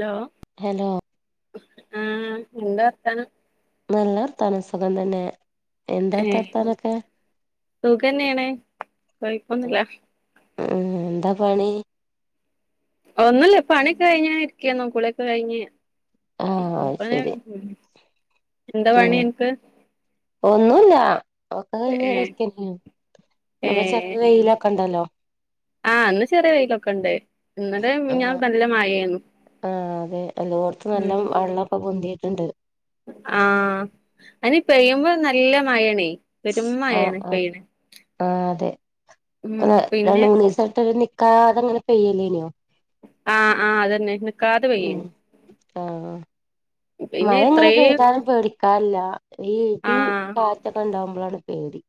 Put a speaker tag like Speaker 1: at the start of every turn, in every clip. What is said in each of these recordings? Speaker 1: Law
Speaker 2: hello
Speaker 1: ആഹ് എന്തർത്താനം
Speaker 2: നല്ലർത്തനം സുഖം തന്നെ എന്താ അവിടത്തെ
Speaker 1: ഏഹ്
Speaker 2: വ ർത്താനൊക്കെ
Speaker 1: സുഖന്നേണ്
Speaker 2: ഉം
Speaker 1: കൊഴപ്പൊന്നുല്ല
Speaker 2: എന്താ പണി
Speaker 1: ഒന്നല്ല പണി കഴിഞ്ഞങ്ങനെഇരിക്കന്ന് കുളിക്കെകഴഞ്ഞ്
Speaker 2: ആഹ് അത് ശരി
Speaker 1: [unintelligible] എന്താ
Speaker 2: ഉം
Speaker 1: പണി അൻക്ക്
Speaker 2: ഒന്നുല്ല ഒക്കെ കഴിഞ്ഞ്
Speaker 1: ഏഹ്
Speaker 2: ഇരിക്കാണ് ഇന്ന്പ്പൊ ചെറിയ വെയിലൊക്കെ ഇണ്ടല്ലോ
Speaker 1: ആഇന്ന് ചെറിയ വെയിലൊക്കെ ഇണ്ട് ഇന്നലെ മിന്നാന്നുംനല്ല മഴന്നു
Speaker 2: ആഹ അതെ എല്ലോട്ത്ത് നല്ല വള്ള ക്കെ പൊന്തിട്ട്ണ്ട്
Speaker 1: ആഹ അയ്ന് പയുമ്പോ നല്ല മഴണേ
Speaker 2: ആഹ് ആഹ് അതെ
Speaker 1: ഉം
Speaker 2: പ്പരണ്ട്
Speaker 1: പിന്നെ
Speaker 2: മൂന്ന്സാ യിട്ടഅത് നി കാതങ്ങനെ പെയ്യലേനു
Speaker 1: ആഹ് ആഹ് അതന്നെ നിക്കാതെ
Speaker 2: ഉം
Speaker 1: പെയ്യേനി
Speaker 2: ആഹ് ആഹ്
Speaker 1: പിന്നെ
Speaker 2: മഴ ഇങ്ങനെ
Speaker 1: ഇത്രേം
Speaker 2: പെയ്താലും പേടി ക്കല്ല ഈ ഇടിം
Speaker 1: ആഹ്
Speaker 2: കാറ്റൊക്കെ ഉണ്ടാവുമ്പോളാണ് പേടി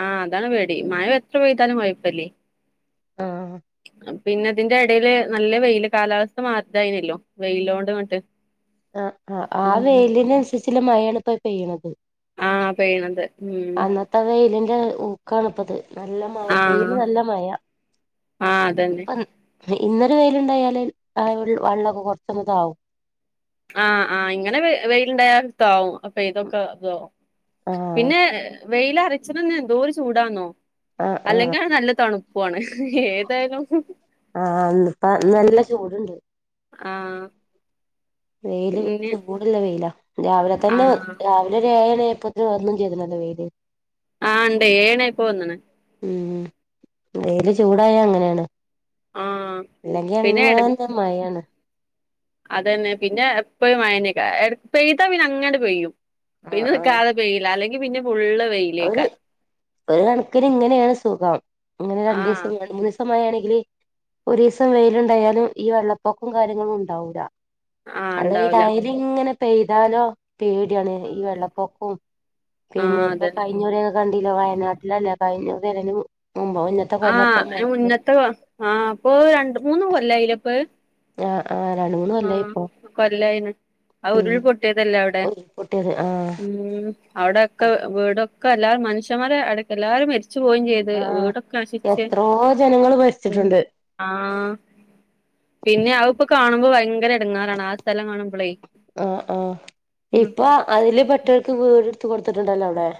Speaker 1: ആഹ് അതാണ് പേടി മഴ എത്ര പെയ്താലും കൊയപ്പല്ലേ
Speaker 2: ആഹ്
Speaker 1: പിന്നെ ഇതിന്റെ എടേല് നല്ല വെയില് കാലാവസ്ഥ മാത്തായിനല്ലോ വെയിലോണ്ട് ങ്ങട്ട്.
Speaker 2: ആഹ് ആഹ് ആഹ് വെയ്ലിന് അൻസരിച്ച്ല്ല മഴയാണ് ഇപ്പൊ പെയ്യ്ണത്.
Speaker 1: ആഹ് പെയ്യ്ണത് ഉം
Speaker 2: ആഹ് വെയിലിൻ്റെ ഊക്കാണ്പ്പത്. നല്ല മഴ
Speaker 1: ആഹ്
Speaker 2: പെയ്യുന്ന നല്ല മഴ
Speaker 1: ആഹ് അതന്നെ
Speaker 2: ഇപ്പം ഇന്നൊരു വെയില്ണ്ടായാല് ആഹ് വെൾ വള്ളക്കെ കൊർച്ചൊന്ന് താകും.
Speaker 1: ആഹ് ആഹ് ഇങ്ങനെ വെ വെയില്ണ്ടായ താകും. പെയ്തൊക്കെ താകും
Speaker 2: ആഹ്
Speaker 1: പിന്നെ വെയില് അർച്ചിണന്ന് എന്തോ ഒരു ചൂടാന്നോ.
Speaker 2: ആഹ് ആഹ്
Speaker 1: അല്ലെങ്ക്യാണ നല്ല തണു പോണ് ഏതായാലും
Speaker 2: ആഹ് ഇന്നിപ്പ
Speaker 1: ഉം
Speaker 2: നല്ല ചൂടുണ്ട്
Speaker 1: ആഹ്
Speaker 2: വെയില്
Speaker 1: പിന്നെ
Speaker 2: ത് ചൂട്ല്ല വെയില രാവിലെ തന്നെ
Speaker 1: ആഹ്
Speaker 2: രാവ്‌ ഇന്ന് ഒര് ഏഴണിയായപ്പോത്ത്ന് വന്നും ചെയ്ത്ണല്ലോ വെയില്?
Speaker 1: ആഹ് ഇണ്ടേ ഏഴണി ആയപ്പോ വന്ന്ണ്.
Speaker 2: ഉം വെയില് ചൂടായ അങ്ങനേണ്
Speaker 1: ആഹ്
Speaker 2: ഇല്ലെങ്കിൽ
Speaker 1: പിന്നെ
Speaker 2: അങ്ങ
Speaker 1: എട
Speaker 2: [unintelligible] മഴാണ്
Speaker 1: അതന്നെ പിന്നെ എപ്പഴും മഴന്നേക്ക എട പെയ്ത പിന്നെ അങ്ങാണ്ട് പെയ്യും.
Speaker 2: ആഹ്
Speaker 1: പിന്നെ നിക്കാത പെയ്യ്ല അല്ലെങ്കിൽ പിന്നെ ഫുള്ള് വെയ്
Speaker 2: ഒര് ഒരു കണക്കിന് ഇങ്ങനേണ് സുഖം ഇങ്ങനെ
Speaker 1: ആഹ്
Speaker 2: രണ്ടീസം രണ്ട്, മൂന്ന്സം ഇപ്പം മഴയാണെങ്കിൽ ഒരീസം വെയില് ഇണ്ടായാല് ഈ വെള്ളപ്പൊക്കും കാര്യങ്ങളും ഉണ്ടാവൂല.
Speaker 1: ആഹ്
Speaker 2: അല്ല ഈ
Speaker 1: ഉണ്ടാവൂല
Speaker 2: ഡയലി ഇങ്ങനെ പെയ്താലോ പേടിയാണ് ഈ വെള്ളപ്പൊക്കം പിന്നെ
Speaker 1: ആഹ്
Speaker 2: ഇപ്പ
Speaker 1: അതന്നെ
Speaker 2: ഞ്ഞൂര് കണ്ടില്ലെ വയനാട്ടിലല്ലെ ആഹ് കഴിഞ്ഞുറി അല്ല അയിന്റെ മു മുമ്പോ പിന്ന
Speaker 1: ആഹ് അയ്ന് മുന്നത്തെ അഹ് ആഹ് ഇപ്പൊ രണ്ട്, മൂന്ന് കൊല്ലായിലെ ഇപ്പഹ്?
Speaker 2: ആഹ് ആഹ് രണ്ട്, മൂന്ന് കൊല്ലായി ഇപ്പൊ.
Speaker 1: കൊല്ലായിണ് ആഹ്
Speaker 2: ഉം
Speaker 1: ഉരുൾ പൊട്ടിയതല്ലേ അവിടെ?
Speaker 2: ഉരുൾപൊട്ടിയത് ആഹ്
Speaker 1: ഉം അഒടെക്കെ വീടൊക്കെ എല്ലാ മനുഷ്യമാരെ അടക്കം എല്ലാരും മരിച്ചു പോയിം ചെയ് ത്
Speaker 2: ആഹ്
Speaker 1: വീടൊക്കെ അശിച്ചേ
Speaker 2: എത്രോ ജനങ്ങള്
Speaker 1: ഉം
Speaker 2: മരിച്ചിട്ടുണ്ട്
Speaker 1: ആഹ് പിന്നെ അത്പ്പൊ കാണുമ്പോ ഭയങ്കര എടങ്ങേറാണ് ആഹ് സ്ഥലം കാണുമ്പളേ.
Speaker 2: ആഹ് ആഹ് ഇപ്പൊ അതില് പെട്ടവർക്ക് വീട് ഇട്ത്ത് കൊടുത്തിട്ടുണ്ടല്ലോ അഒടെ.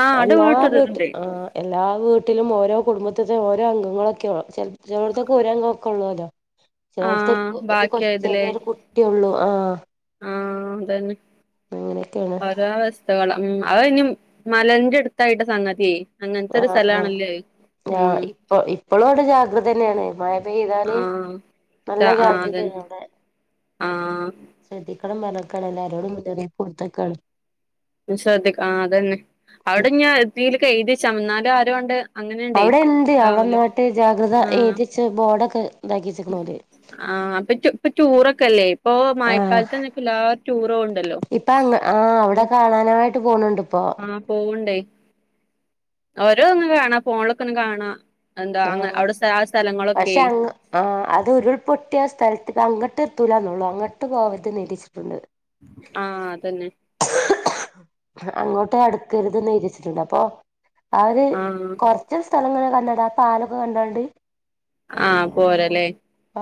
Speaker 1: ആഹ് അവിടെ
Speaker 2: എല്ലാ വീട്ട്
Speaker 1: വീണിട്ടൊരിതുണ്ട്
Speaker 2: ആഹ് എല്ലാ വീട്ടിലും ഓരോ കുടുംബത്ത്ത്തെ ഓരോ അംഗങ്ങളൊക്കെ [unintelligible] ചെൽ ചെലോട്ത്ത്ക്ക് ഊര അംഗക്കെ ഉള്ളൂല്ലോ. ചെലോര്ത്തെ
Speaker 1: ആഹ്
Speaker 2: കൊ ഒരു
Speaker 1: ബാക്കിയായതിലേ
Speaker 2: കൊച്ചറിയ ഒരു കുട്ടിയള്ളൂ ആഹ്
Speaker 1: ആഹ് അതന്നെ
Speaker 2: അങ്ങനെയൊക്കെയാണ്
Speaker 1: ഒരാസ്സ് ത്തവള ഉം അഹ് ഇഞ്ഞി മലന്റെ അട്ത്തായിട്ട സംഗതി അങ്ങൻത്തരൂ സ്ഥലാണല്ലോ അഹ്.
Speaker 2: യാഹ് ഇപ്പ ഇപ്പളും അഒടെ ജാഗ്രതന്നെണ് മഴ പെയ്താല്
Speaker 1: ആഹ്
Speaker 2: നല്ല
Speaker 1: ആഹ് അതന്നെ
Speaker 2: ജാഗ്രതയാണ് അഒടെ
Speaker 1: ആഹ്
Speaker 2: ശ്രദ്ധിക്കണം പർഞ്ഞക്കാണ് എല്ലാരോടും [unintelligible]
Speaker 1: ശ്രദ്ധിക്ക ആഹ് അതന്നെ അഒടെ ഞ എത്തീലക്കെ എഴുതിച്ചന്നാലും ആരോണ്ട്
Speaker 2: അഒടെ എന്ത് അഒടെ ന്നാട്ട് ജാഗ്രത
Speaker 1: ആഹ്
Speaker 2: എഴുതിച്ച് ബോർഡൊക്കെ ഇണ്ടാക്കി വച്ചക്ക്ണ്ലേ.
Speaker 1: ആഹ് അപ്പറ്റു ഇപ്പ റ്റൂറക്കെല്ലേ ഇപ്പൊ മഴക്കാലത്ത് ന്നൊക്കല്ലാ റ്റൂറോവ്ണ്ടല്ലോ.
Speaker 2: ഇപ്പങ്ങ് ആഹ് അഒടെ കാണാനായിട്ട് പോണ് ണ്ട്പ്പോ.
Speaker 1: ആഹ് പോവണ്ടേ ഓരോ ഒന്നും കാണ പോൺലക്കൊന്നും കാണാ. എന്താ അ അവിടെ സ് ആ സ്ഥലങ്ങളൊക്കെ
Speaker 2: ആ അത് ഉരുൾപൊട്ടിയ ആ സ്ഥല അങ്ങോട്ട് എത്തൂലന്നള്ളൂ അങ്ങട്ട് പോവരുത് ന്നു എഴ്തച്ചിട്ടുണ്ട്
Speaker 1: ആഹ അതന്നെ
Speaker 2: അങ്ങോട്ടും അടുക്കരുതേന്നു എഴുതി വെച്ചിട്ടുണ്ട് അപ്പൊ അവര്
Speaker 1: ആഹ്
Speaker 2: കൊറ ഇജ് സ്ഥലങ്ങള കണ്ട ആ പാലൊക്കെ കണ്ടോണ്ട്
Speaker 1: ആഹ പോരലേ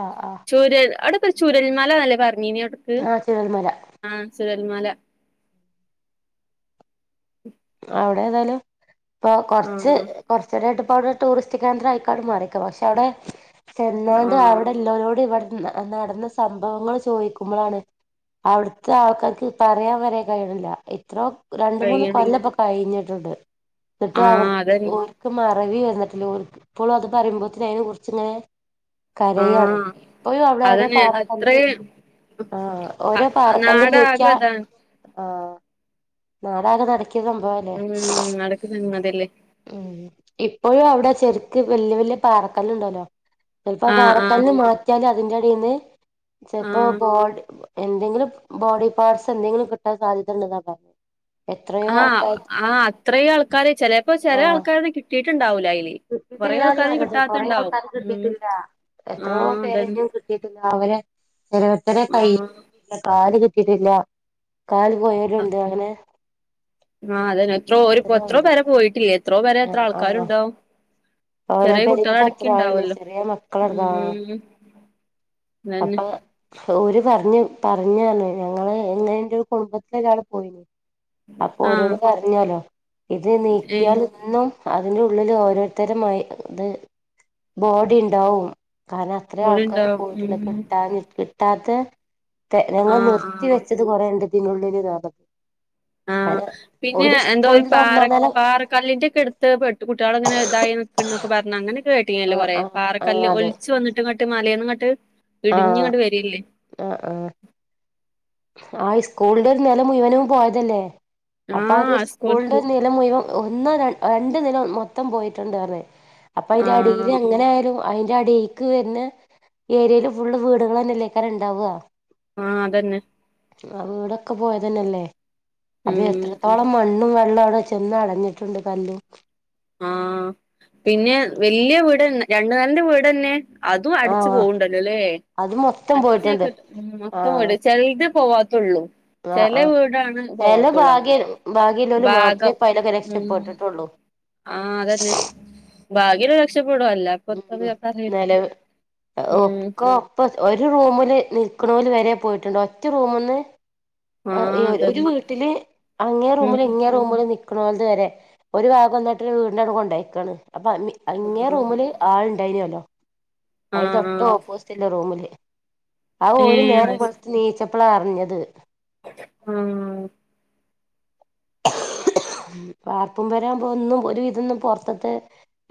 Speaker 2: ആഹ് ആഹ്
Speaker 1: ചൂരൽ അവിടെ ചുരൽമലന്നല്ലേ പറഞ്ഞീനിയെ
Speaker 2: ആ ചുരൽ മല
Speaker 1: ആഹ ചുരൽമല
Speaker 2: അവിടെ ഏതായാലും ഇപ്പൊ കൊറച്ച്
Speaker 1: ആഹ്
Speaker 2: കുറച്ചൂടെടുപ്പ അവിടെ ടൂറിസ്റ്റ് കേന്ദ്രം ആയിക്കാട്ട് മാറിക്കാം പക്ഷെ അവിടെ ചെന്നാണ്ട്
Speaker 1: ആഹ്
Speaker 2: അവിടെല്ലാരോട് ഇവിടെ നടന്ന സംഭവങ്ങൾ ചോയിക്കുമ്പോഴാണ് അവിടുത്തെ ആൾക്കാർക്ക് പറയാൻ വരെ കയിണില്ല ഇത്രോ രണ്ട് മൂന്ന്
Speaker 1: കഴിയണില്ല
Speaker 2: കൊല്ലപ്പൊ കഴിഞ്ഞിട്ടുണ്ട് ന്നിട്ട്അവർ
Speaker 1: ആഹ് അതന്നെ
Speaker 2: ഒര് മറവി വന്നിട്ടില്ല ഇപ്പളും അത് പറയുമ്പോഴത്തിന് അതിനെ കുറിച്ചിങ്ങനെ കരയാണ്
Speaker 1: ആഹ്
Speaker 2: ഇപ്പോഴും അവിടെ ഓരോ
Speaker 1: അതന്നെ
Speaker 2: പാറ
Speaker 1: അത്രേ
Speaker 2: കല്ല് ആ ഓരോ പാർക്കല്ലും
Speaker 1: നാടാകെ
Speaker 2: നീക്കിയാ
Speaker 1: അതാണ്
Speaker 2: ആ നാടാകെ നടക്കിയ സംഭവം
Speaker 1: ഉം നടക്കുന്നു അതല്ലേ
Speaker 2: ഉം ഇപ്പോഴും അവിടെ ചെരുക്ക് വല്യ വല്യ പാറക്കല്ല് ഉണ്ടല്ലോ ചിലപ്പോ
Speaker 1: ആഹ് ആഹ്
Speaker 2: പാറക്കല്ലന്ന് മാറ്റിയാലും അതിന്റെടിന്ന് ചിലപ്പോ
Speaker 1: ആഹ്
Speaker 2: ബോഡി എന്തെങ്കിലും ബോഡി പാർട്സ് എന്തങ്കിലും കിട്ടാൻ സാധ്യതയുണ്ട് ന്നാ
Speaker 1: ആഹ് ആഹ അത്രയും ആൾക്കാര് ചിലപ്പോ ചെല ആൾക്കാരന്നെ കിട്ടിയിട്ടുണ്ടാവൂല അയിൽ
Speaker 2: കിട്ടില്ലാന്ന് പറയത് കൊറെേ ആൾക്കാരും
Speaker 1: ഉം
Speaker 2: കിട്ടിയിട്ടില്ല എത്രോ
Speaker 1: ആഹ്
Speaker 2: പേര്
Speaker 1: അതന്നെ
Speaker 2: ഇനിയും കിട്ടില്ല അവരെ ഓാരേരുത്തടെ കയ്യി,
Speaker 1: ആഹ്
Speaker 2: കാല് കിട്ടിട്ടില്ല കല് പോയര് ഉണ്ട് അങ്ങനെ
Speaker 1: ആ അതെ എത്രോ ഒരു
Speaker 2: എത്രയോ
Speaker 1: എത്രോ
Speaker 2: ഉണ്ട്
Speaker 1: പെര പോയിട്ടില്ലേ എത്രോ പെര എത്ര
Speaker 2: ആഹ് ആഹ്
Speaker 1: ആൾക്കാരുണ്ടാവും
Speaker 2: ഓരോ
Speaker 1: ചെറിയ
Speaker 2: പേരിലും ഇപ്പോ എത്ര ആളുണ്ട്
Speaker 1: കുട്ടികളടക്കിണ്ടാവല്ലോ
Speaker 2: ചെറിയ മക്കളടക്കം ആഹ്
Speaker 1: ഉം അതന്നെ
Speaker 2: ഒരു പറഞ്ഞു പറഞ്ഞഞ്ഞു ഞങ്ങള് എങ്ങനെ എന്റെ ഒരു കുടുംബത്തില ഒരാള് പോയിന് അപ്പൊ
Speaker 1: ആഹ്
Speaker 2: ഓരോട് പറഞ്ഞാലോ ഇത്
Speaker 1: ഏഹ്
Speaker 2: നീക്കിയാൽ ഇന്നും അതിന്റെ ഉള്ളില് ഓരോ ഓരോരുത്തരെ മയ് ബോഡി ഉണ്ടാവും കാരണം അത്ര ആൾക്കാര്
Speaker 1: കൂടെണ്ടാവും
Speaker 2: പോയിട്ടുണ്ട്
Speaker 1: ഉം
Speaker 2: കിട്ടാ കിട്ടാത്ത ഞങ്ങൾ
Speaker 1: ആഹ്
Speaker 2: നിർത്തി
Speaker 1: ആഹ്
Speaker 2: വെച്ചത് കൊറെണ്ട്തിനുള്ളില് [unintelligible]
Speaker 1: ആഹ പിന്നെ എന്താ പാറ
Speaker 2: ഒന്നാം നില
Speaker 1: പാറക്കല്ലിന്റെക്കെടു പെട്ട് കുട്ടികൾ അങ്ങനെതായിന്നൊക്കൊ പറഞ്ഞ് അങ്ങനൊക്കെ
Speaker 2: ആ
Speaker 1: കേട്ടിനിയല്ലോ കുറെ
Speaker 2: ആ ആ
Speaker 1: പാറകല്ല്
Speaker 2: അതെ
Speaker 1: ഒലിച്ചു വന്നട്ട് അങ്ങട്ടുംങ്ങട്ടും മലയന്നുംങ്ങട്ട് ഇടിഞ്ഞ് ഇങ്ങോട്ട് വരിയില്ലേ
Speaker 2: ആഹ് ആഹ് ആ സ്കൂളിന്റെ ഒരു നില മുഴുവനും പോയതല്ലേ അപ്പ ആ ഒരു
Speaker 1: ആഹ് സ്കൂൾ
Speaker 2: സ്കൂളിന്റെ നില മുഴം ഒന്നോ രണ്ട് നില മൊത്തം പോയിട്ടുണ്ട്റഞ്ഞേ അപ്പ അയിന്റെ അടിയിൽ
Speaker 1: ആഹ്
Speaker 2: എങ്ങനയാലും അയിന്റെ അടീക്ക് വര്ന്ന ഏരിയല് ഫുള്ള് വീടുകളന്നെക്കുല്ലേ ഉണ്ടാവുക
Speaker 1: ആ അതന്നെ
Speaker 2: ആ വീടൊക്കെ പോയതന്നെല്ലേ അപ്പ
Speaker 1: ഉം
Speaker 2: എത്രത്തോളം മണ്ണും വെള്ളഔടെച്ച് ചെന്ന് അടഞ്ഞിട്ടുണ്ട് കല്ല്
Speaker 1: ആഹ് പിന്നെ വല്യ വീട് ന്ന് രണ്ട് നെലന്റെ വീടന്നെ അതും അടിച്ച്
Speaker 2: ആഹ്
Speaker 1: പോവ്ണ്ടല്ലല്ലേ
Speaker 2: അത് മെ
Speaker 1: അച്ചോക്ക് മൊത്തം വിട് ചെൽത് പോവാത്തെള്ളൂ
Speaker 2: ആഹ് ആഹ് ചെല ഭാഗ്യ
Speaker 1: അങ്ങനെ
Speaker 2: ഭാഗ്യല്ലേല് മാത്ര
Speaker 1: ഭാഗം
Speaker 2: പ അയ്ലൊക്കെ
Speaker 1: ഉം
Speaker 2: രക്ഷപ്പെട്ട്ട്ടെള്ളൂ
Speaker 1: ആഹ് അതന്നെ ഭാഗ്യല്ലോല് രക്ഷപ്പെടും അല്ല ഇപ്പൊ
Speaker 2: ഉം ഉം
Speaker 1: പറയും
Speaker 2: നെലവ്
Speaker 1: ഉം
Speaker 2: ഒക്കേ ഇപ്പ ഒരു റൂമ് ല് നിൽക്ക്ണേല് വരെ പോയിട്ടുണ്ട് ഒറ്റ റൂമൊന്ന് ഒരു
Speaker 1: ആഹ്
Speaker 2: ഒരു
Speaker 1: അതന്നെ
Speaker 2: വീട്ടില് അങ്ങേ റൂമ്
Speaker 1: ഉം
Speaker 2: ല് ഇങ്ങേ റൂമ് ല് നിക്ക് ക്ക്ണേൽത് വരെ ഒരു ഭാഗം ഒന്നായിടെ രു വീടിലാണ് കൊണ്ടോയ്ക്കാണ് അപ്പ അങ്ങേ റൂമ് ല് ആള്ണ്ടായിന്യല്ലോ
Speaker 1: ആഹ്
Speaker 2: അയ്ന് തൊട്ട്
Speaker 1: ആഹ്
Speaker 2: ഓപ്പോസിറ്റ്ല്ല റൂമില് ആ ഓല്
Speaker 1: ഏഹ്
Speaker 2: നേരം
Speaker 1: അത്
Speaker 2: വെളുത്ത് നീച്ചപ്പളാ അർഞ്ഞത്
Speaker 1: ഉം
Speaker 2: വാർപ്പും പെരാവുമ്പോ ഒന്നും ഒരുവിധൊന്നും പൊർത്ത് തെ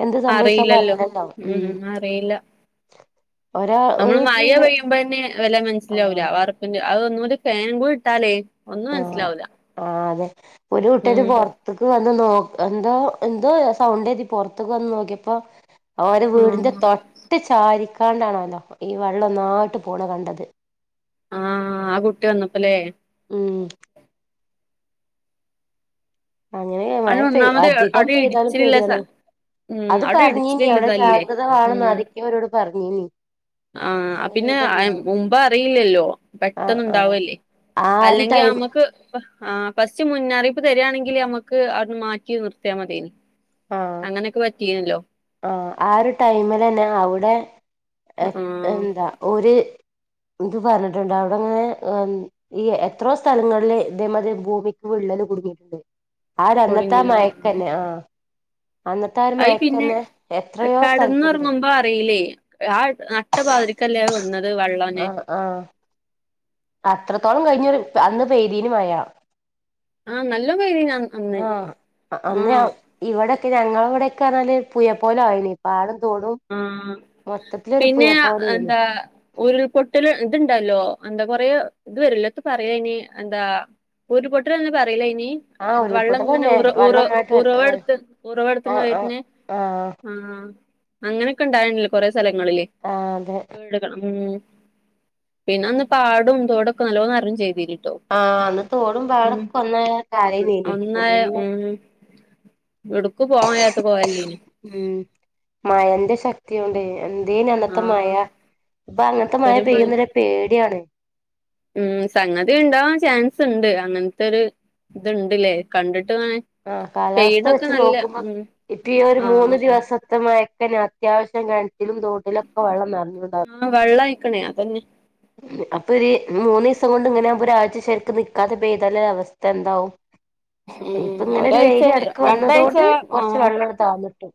Speaker 2: എന്ത് സംഭവിച്ചാലും
Speaker 1: അറിയില്ലല്ലോ
Speaker 2: അറീലല്ലോ ഉം ഒരാ ഒരു
Speaker 1: നമ്മള്
Speaker 2: കുട്ടര്
Speaker 1: മഴ
Speaker 2: പിന്നെ
Speaker 1: പെയ്യുമ്പോ തന്നെ വല്ല മനസ്സിലാവൂല
Speaker 2: ആഹ്
Speaker 1: വാർപ്പിന്റ അഒന്നൂടി ഫേൻ കൂടി ഇട്ടാലേ ഒന്നും
Speaker 2: ആഹ്
Speaker 1: മനസ്സിലാവൂല
Speaker 2: ആ അതെ ഒരു കുട്ടര്
Speaker 1: ഉം
Speaker 2: പൊർ ത്ത്ക്ക് വന്ന് നോ എന്തോ എന്തോ സൗണ്ട് എഴുതി പൊർത്ത്ക്ക് വന്ന് നോക്കിയപ്പോ ഓരെ വീടിന്റെ
Speaker 1: ആഹ്
Speaker 2: തൊട്ട് ചാരിക്കാണ്ടാണല്ലോ ഈ വെള്ളം ഒന്നായിട്ട് പോണ കണ്ടത്
Speaker 1: ആഹ് ആ കുട്ടി വന്നപ്പല്ലേ
Speaker 2: ഉം അങ്ങനെ മഴ
Speaker 1: അയ്ന്
Speaker 2: പെയ്
Speaker 1: ഒന്നാമത്
Speaker 2: അധികം
Speaker 1: അടി
Speaker 2: പെയ്താലും
Speaker 1: ഇടിച്ച്ല് ല്ലെ
Speaker 2: പേടിയാണ്
Speaker 1: സ്ഥ ഉം
Speaker 2: അത്
Speaker 1: ഔടെ
Speaker 2: പറഞ്ഞീനി
Speaker 1: ഇടിച്ച്ല്
Speaker 2: അവിടെ
Speaker 1: ല്ലതല്ലേ
Speaker 2: ജാഗ്രത വേണംന്ന്
Speaker 1: ഉം
Speaker 2: ആരൊക്കെയോ അവരോട് പറഞ്ഞീനി
Speaker 1: ആ
Speaker 2: അങ്ങനെ
Speaker 1: പിന്നെ
Speaker 2: ഇതുണ്ടാവും
Speaker 1: മുമ്പറിയില്ലല്ലോ
Speaker 2: ആഹ് ആഹ്
Speaker 1: പെട്ടെന്ന്ണ്ടാവല്ലേ
Speaker 2: ആ ഒരു
Speaker 1: അല്ലങ്കി
Speaker 2: ടൈം
Speaker 1: അമക്ക് ആഹ് ഫസ്റ്റ് മുന്നറീപ്പ് തരാണങ്കില് അമ്മക്ക് ഔട്‌ന്ന് മാറ്റി നിർത്തിയാൽ മത്യോനി അങ്ങനെക്കെ പറ്റി
Speaker 2: ആ ആ ഒരു ടൈമിലന്നെ ഔടെ എ
Speaker 1: ആ
Speaker 2: എന്താ ഒര് ഇത് പറഞ്ഞിട്ട്ണ്ട് അവിടെങ്ങനെ ഈ എത്രോ സ്ഥലങ്ങളില് ഇതേ മതിരി ഭൂമിക്ക് വിള്ളല് കുടുങ്ങിയിട്ടുണ്ട് ആര് അന്നത്തെ
Speaker 1: കുടുങ്ങി
Speaker 2: മഴക്കന്നെ ആഹ് അന്നത്തെ ആ ഒരു
Speaker 1: അയ് പിന്നെ
Speaker 2: മയക്കന്നെ എത്രയോ
Speaker 1: കടന്ന്
Speaker 2: സ്ഥലത്തുണ്ട്
Speaker 1: ഒറങ്ങുമ്പോ അറീലെ ആ നട്ട പാതിരിക്കല്ലേ വന്നത് വെള്ളനെ
Speaker 2: ആഹ് ആഹ് അത്രത്തോളം കഴിഞ്ഞരു അന്ന് പെയ്തീനി മഴ
Speaker 1: ആ നല്ലോം പെയ്തീനി അന്ന്
Speaker 2: ആഹ്
Speaker 1: ആ
Speaker 2: അന്നെയ ഇവിടെക്കെ ഞങ്ങളവിടെക്കെറഞ്ഞാല് പുഴ പോലെ ആയിനി പാടം തോടും
Speaker 1: ഉം
Speaker 2: മൊത്തത്തിലൊരു പുഴ
Speaker 1: പിന്നെ
Speaker 2: പോലെയ്നി
Speaker 1: എന്താ ഉരുൾപൊട്ടൽ ഇത്ണ്ടല്ലോ എന്താ കൊറേ ഇത് വരല്ലോ എത്താ പറയാ അയ്ന് എന്താ ഉരുപൊട്ടലന്ന് പറയലയ്ന്
Speaker 2: ആഹ്
Speaker 1: വെള്ളം ഇങ്ങനെ
Speaker 2: ഉരുൾപൊട്ടലന്നെ
Speaker 1: ഉറ ഉറ
Speaker 2: വെള്ളൊന്നായിട്ട് ആഹ്
Speaker 1: ഉറവടുത്ത് ഉറവടുത്തങ്
Speaker 2: ആഹ് ആഹ്
Speaker 1: വര്ന്
Speaker 2: ആഹ്
Speaker 1: ആ അങ്ങനെക്കെ ഇണ്ടായിനില്ലെ കൊറെ സ്ഥലങ്ങളില്
Speaker 2: ആഹ് അതെ
Speaker 1: വീടുകളും ഉം പിന്നന്ന് പാടും തേടൊക്കെ നല്ലോ നെറിം ചെയ്തീനിട്ടെ
Speaker 2: ആഹ് അന്ന് തോടുമ്പോ അവിടക്ക ഒന്നായ കാര്യംരി
Speaker 1: എടുക്ക് പോവാൻ ത്ത പോവല്ലന്
Speaker 2: ഉം മയന്റെ ശക്തിയ കൊണ്ട് എന്തേ അ ത്തെ മഴ
Speaker 1: ആഹ്
Speaker 2: ഇപ്പൊ അങ്ങനത്തെ മഴ പെയ്യുന്നരു പേടിയാണ്
Speaker 1: ഉം സംഗതി ഉണ്ടാവാൻ ചാൻസ്ണ്ട്. അങ്ങനത്തെ ഒരു ഇതുണ്ടല്ലേ കണ്ടിട്ട്
Speaker 2: ആഹ് കാലാവസ്ഥ
Speaker 1: പെയ്യണൊക്കെ
Speaker 2: വെച്ച്
Speaker 1: നല്ല
Speaker 2: നോക്കുമ്പം
Speaker 1: ഉം
Speaker 2: ഇപ്പ ഈ ഒരു
Speaker 1: ആഹ്
Speaker 2: മൂന്ന് ദിവസത്തെ മയക്കന്നെ അത്യാവശ്യം കെണറ്റിലും തോട്ടിലൊക്കെ വെള്ളം നെറഞ്ഞുണ്ടാവും.
Speaker 1: ആഹ് വെള്ളം ആയീക്കണേ അതന്നെ
Speaker 2: അപ്പൊര് മൂന്നീസം കൊണ്ട് ഇങ്ങനാകുമ്പ ഒരാഴ്ച ശെരിക്ക് നിക്കാതെ പെയ്താല് അവസ്ഥ എന്താവും?
Speaker 1: [inaudible]
Speaker 2: ഇപ്പങ്ങനെ ഒരു
Speaker 1: ഒരാഴ്ച
Speaker 2: വെയില് എട്ക്ക്
Speaker 1: രണ്ടാഴ്ച
Speaker 2: വന്നതോണ്ട് കൊറച്ച്
Speaker 1: ആഹ്
Speaker 2: വെള്ളം ഇങ് താന്നിട്ട്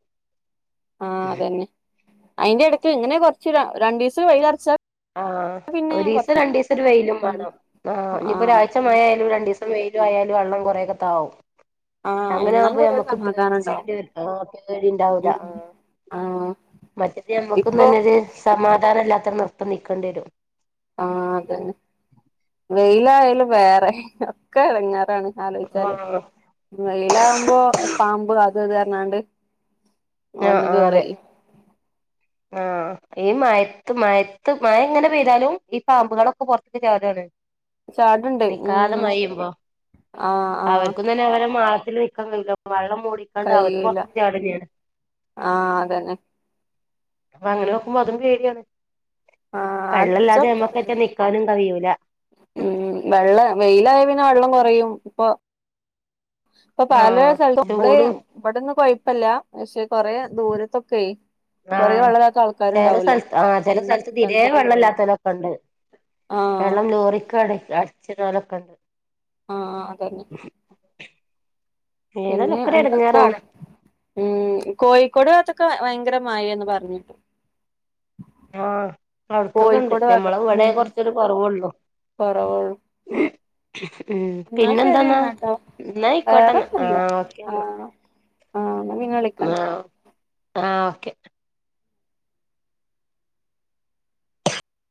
Speaker 1: ആഹ് അതന്നെ. അയിന്റെ എടക്ക് ഇങ്ങനെ കൊറച്ച് രണ്ടീസം വെയിലടിച്ചാ
Speaker 2: ആഹ് ഒരീസം രണ്ടീസം ഒരു വെയിലും
Speaker 1: ഉം
Speaker 2: വേണം. ആഹ് ഇനിയിപ്പോ ഒരാഴ്ച മയയായാലും രണ്ടീസം വെയിലു ആയാലും വെള്ളം കൊറേക്കെ താവും.
Speaker 1: ആഹ് എന്നാ
Speaker 2: അങ്ങനെയാകുമ്പോ
Speaker 1: കൊറേ
Speaker 2: നമ്മുക്ക്
Speaker 1: സമാധാനം ഇണ്ടാവും
Speaker 2: പേടച്ചേണ്ടി വര ആഹ് പേടിണ്ടാവില്ല.
Speaker 1: ഉം
Speaker 2: ആഹ്
Speaker 1: ആഹ്
Speaker 2: മറ്റത് നമ്മുക്കും
Speaker 1: ഇപ്പൊ
Speaker 2: തന്നൊരു സമാധാനമില്ലാത്ത നിർത്തം നിക്കേണ്ടി വരും.
Speaker 1: ആഹ് അതന്നെ. വെയിലായാലും വേറെ ഒക്കെ എടങ്ങേറാണ്. ആലോചിച്ചാല്
Speaker 2: ആഹ്
Speaker 1: വെയിലാകുമ്പോ പാമ്പ് അത് ഇത് പറഞ്ഞാണ്ട് വന്ന് കേറല്
Speaker 2: ആഹ് ഈ മഴെത്ത് മഴെത്ത് മഴ ഇങ്ങനെ പെയ്താലും ഈ പാമ്പുകളൊക്കെ പുറത്ത് ചാടാണ്.
Speaker 1: ചാട്ണ്ട്
Speaker 2: നിക്കാതെ
Speaker 1: ഉം
Speaker 2: മയേയുമ്പോ
Speaker 1: ആഹ് ആഹ്
Speaker 2: അവർക്കും തന്നെ അവര്ടെ മാളത്തി ല് നിൽക്കാ വെള്ളം മൂടി
Speaker 1: കയിയൂല്ല ആഹ് അതന്നെ.
Speaker 2: അപ്പ അങ്ങനെ നോക്കുമ്പോ അതും പേടിയാണ്.
Speaker 1: ആഹ്
Speaker 2: വെള്ളൊല്ലാതെ
Speaker 1: ആലോചിച്ചോക്ക്
Speaker 2: നമക്കൊക്കെ നിക്കാനും കഴിയൂല.
Speaker 1: ഉം വെള്ള വെയിലായ പിന്നെ വെള്ളം കൊറയും ഇപ്പൊ ഇപ്പൊ
Speaker 2: ആ
Speaker 1: പല സ്ഥല നമ്മള്
Speaker 2: ചൂടും
Speaker 1: ഇവിടെന്നും കൊഴപ്പില്ല. പക്ഷെ കൊറെ ദൂരത്തൊക്കെ കൊറേ
Speaker 2: ആഹ്
Speaker 1: വെള്ളല്ലാത്ത
Speaker 2: ചെറു
Speaker 1: ആൾക്കാരുണ്ടാവല്ലോ
Speaker 2: സ്ഥലത്ത് ആഹ് ചെല
Speaker 1: ഉം
Speaker 2: സ്ഥലത്ത് തീരെ വെള്ളൊല്ലാത്തലോ ഒണ്ട്.
Speaker 1: ആഹ്
Speaker 2: വെള്ളം ലോറിക്കട അടിച്ചിടാലൊക്കെണ്ട്.
Speaker 1: ആഹ് ആഹ് അതന്നെ.
Speaker 2: ഏതായാലും
Speaker 1: പിന്നെ
Speaker 2: ഒക്കെ ഒരു
Speaker 1: അ കോ
Speaker 2: എടങ്ങേറാണ്
Speaker 1: ഉം കോയിക്കോട് ഭാഗത്തൊക്കെ ഭയങ്കര മഴേന്ന് പറഞ്ഞിട്ട്
Speaker 2: ആഹ് അവിടക്കക്കെണ്ട് ഞമ്മള ഇവിടെ
Speaker 1: ഉം
Speaker 2: കൊറചൊരു കൊറവൊള്ളു.
Speaker 1: കൊറവുള്ളു
Speaker 2: ഉം
Speaker 1: എന്നാ ശരി
Speaker 2: പിന്നെന്തൊന്നാ
Speaker 1: എന്നാട്ടോ
Speaker 2: എന്നായിക്കോട്ടെന്ന.
Speaker 1: വേറൊന്നുല്ല
Speaker 2: ആഹ് ഓക്കെ എന്നാ.
Speaker 1: ആഹ് ആഹ് എന്ന നിങ്ങ വിളിക്ക്
Speaker 2: ആഹ് ആഹ് ഓക്കെ.